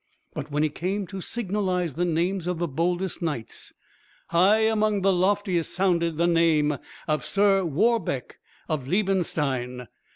But when he came to signalise the names of the boldest knights, high among the loftiest sounded the name of Sir Warbeck of Liebenstein.